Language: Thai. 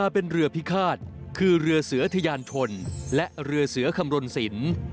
เป็นเรือพิฆาตคือเรือเสือทะยานชนและเรือเสือคำรณสิน